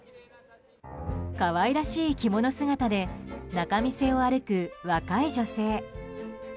可愛らしい着物姿で仲見世を歩く若い女性。